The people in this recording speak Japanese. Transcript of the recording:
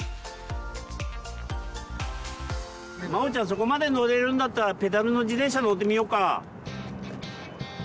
そこまで乗れるんだったらペダルの自転車乗ってみようか。